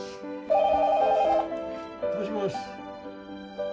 もしもし。